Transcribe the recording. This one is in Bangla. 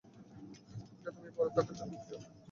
ঐটা তুমি পরে থাকার জন্য, প্রিয়।